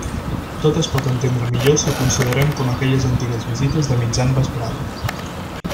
Tot es pot entendre millor si ho considerem com aquelles antigues visites de mitjan vesprada.